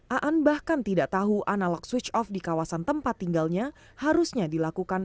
aan bahkan tidak tahu analog switch off di kawasan tempat tinggalnya harusnya dilakukan